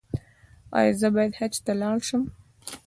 ایا زه باید حج ته لاړ شم؟